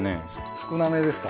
少なめですか？